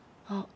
ああ。